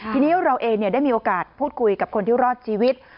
ทีนี้เราเองได้มีโอกาสพูดคุยกับคนที่รอดชีวิต